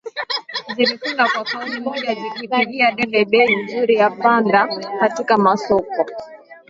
zilikwenda kwa kauli moja zikipigia debe bei nzuri ya pamba katika masoko